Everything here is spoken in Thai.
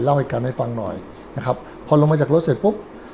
เหตุการณ์ให้ฟังหน่อยนะครับพอลงมาจากรถเสร็จปุ๊บ